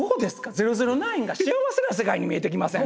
「００９」が幸せな世界に見えてきません？